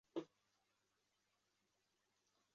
乾隆六十年。